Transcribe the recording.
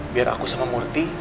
biar aku sama muridnya